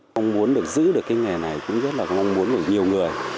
mong muốn được giữ được cái nghề này cũng rất là mong muốn của nhiều người